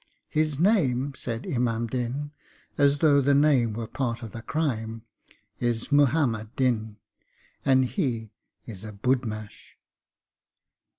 'His name,' said Imam Din, as though the name were part of the crime, 'is Muhammad Din, and he is a budmash.'